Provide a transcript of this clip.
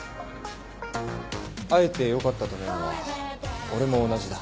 会えてよかったと思うのは俺も同じだ。